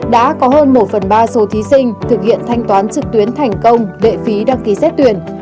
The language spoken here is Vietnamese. đã có hơn một phần ba số thí sinh thực hiện thanh toán trực tuyến thành công lệ phí đăng ký xét tuyển